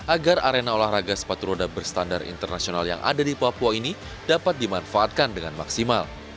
agar arena olahraga sepatu roda berstandar internasional yang ada di papua ini dapat dimanfaatkan dengan maksimal